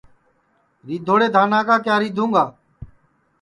ریدھوڑے دھانا کا کِیا ریدھُوں گا